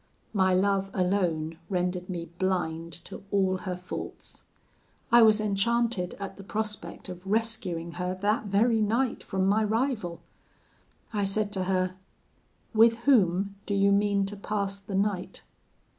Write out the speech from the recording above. My love alone rendered me blind to all her faults. I was enchanted at the prospect of rescuing her that very night from my rival. I said to her: 'With whom do you mean to pass the night?'